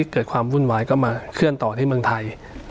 เกิดความวุ่นวายก็มาเคลื่อนต่อที่เมืองไทย